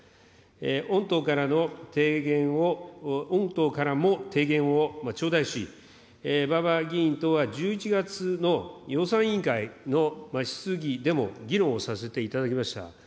御党からの提言を、御党からも提言を頂戴し、馬場議員とは１１月の予算委員会の質疑でも議論をさせていただきました。